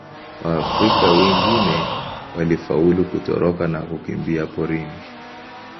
Waafrika wengine walifaulu kutoroka na kukimbia porini.